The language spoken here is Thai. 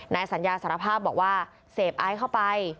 นายสัญญาสารภาพบอกว่าเสพไอซ์เข้าไป